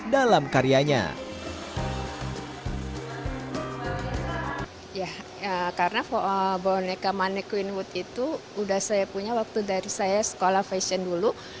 dalam karyanya ya karena boneka manequinewood itu udah saya punya waktu dari saya sekolah fashion dulu